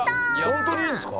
本当にいいんですか？